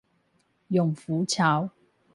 永福橋